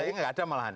tapi nggak ada malahan